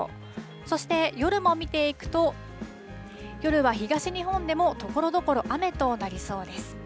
そして、夜も見ていくと、夜は東日本でもところどころ、雨となりそうです。